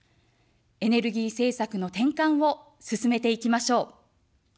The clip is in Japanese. エネルギー政策の転換を進めていきましょう。